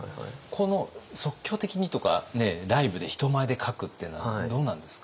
この即興的にとかねライブで人前で描くっていうのはどうなんですか？